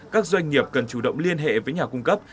các doanh nghiệp cần chủ động liên hệ với nhà cung cấp